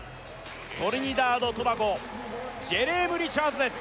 トリニダード・トバゴジェレーム・リチャーズです